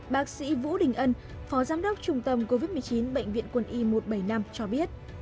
bác sĩ vũ đình ân phó giám đốc trung tâm covid một mươi chín bệnh viện quân y một trăm bảy mươi năm cho biết